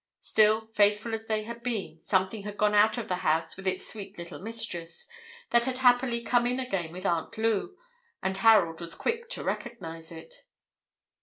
Still faithful as they had been, something had gone out of the house with its sweet little mistress, that had happily come in again with Aunt Lou, and Harold was quick to recognize it.